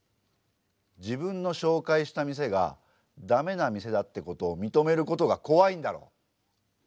自分の紹介した店が駄目な店だってことを認めることが怖いんだろ。